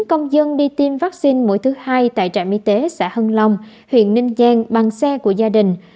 công dân đi tiêm vaccine mũi thứ hai tại trạm y tế xã hưng long huyện ninh giang bằng xe của gia đình